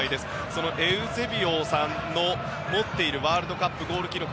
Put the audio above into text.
そのエウゼビオさんが持っているワールドカップのゴール記録